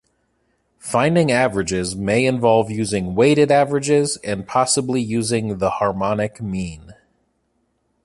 Finding averages may involve using weighted averages and possibly using the Harmonic mean.